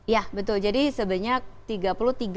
ya betul jadi sebenarnya